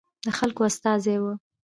د خلکو استازي وو.